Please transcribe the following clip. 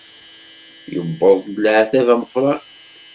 Yuweḍ-d leɛtab ameqran.